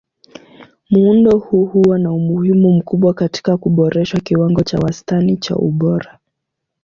Muundo huu huwa na umuhimu mkubwa katika kuboresha kiwango cha wastani cha ubora.